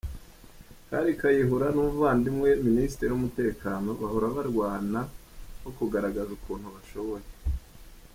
Kale Kayihura n’ umuvandimwe we Minisitiri w’ umutekano bahora barwana no kugaragaza ukuntu bashoboye.